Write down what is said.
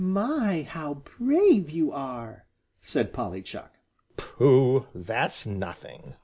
"My, how brave you are!" said Polly Chuck. "Pooh, that's nothing!"